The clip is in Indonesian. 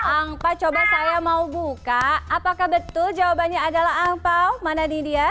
angpa coba saya mau buka apakah betul jawabannya adalah angpao mana nih dia